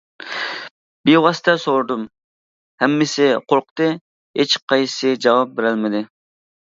بىۋاسىتە سورىدىم، ھەممىسى قورقتى، ھېچقايسىسى جاۋاب بېرەلمىدى.